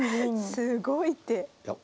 すごい手。